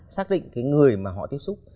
xác định cái người mà họ tiếp xúc